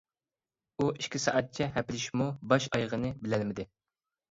ئۇ ئىككى سائەتچە ھەپىلىشىپمۇ باش-ئايىغىنى بىلەلمىدى.